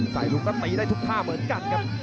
ลุงก็ตีได้ทุกท่าเหมือนกันครับ